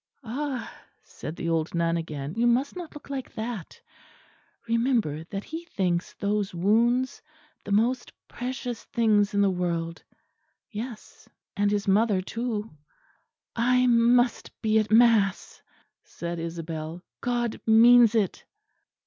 "Ah!" said the old nun again. "You must not look like that. Remember that he thinks those wounds the most precious things in the world yes and his mother too!" "I must be at mass," said Isabel; "God means it."